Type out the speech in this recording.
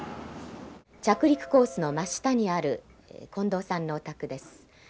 着陸コースの真下にある近藤さんのお宅です。